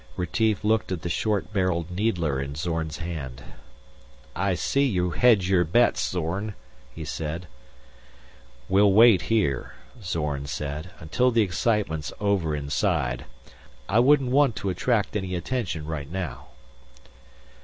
Retief looked at the short barreled needler in Zorn's hand. "I see you hedge your bets, Zorn," he said. "We'll wait here," Zorn said, "until the excitement's over inside. I wouldn't want to attract any attention right now."